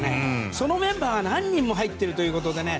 そのメンバーが何人も入っているということでね。